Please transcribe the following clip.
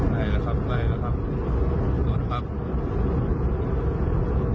ไล่แล้วครับไล่แล้วครับ